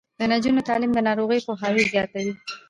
د نجونو تعلیم د ناروغیو پوهاوی زیاتوي.